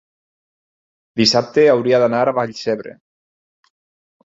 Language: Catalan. dissabte hauria d'anar a Vallcebre.